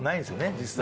実際。